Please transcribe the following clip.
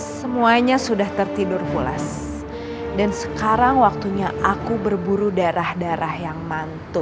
semuanya sudah tertidur pulas dan sekarang waktunya aku berburu darah darah yang mantu